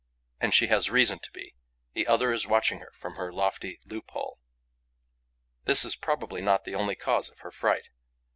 And she has reason to be: the other is watching her from her lofty loop hole. This is probably not the only cause of her fright.